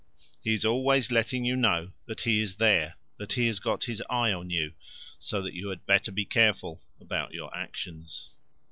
He is always letting you know that he is there, that he has got his eye on you, so that you had better be careful about your actions.